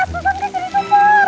susan kayak jadi supporter